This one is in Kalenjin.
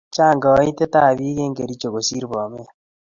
chang kaitet ab piik eng' kericho kosir bomet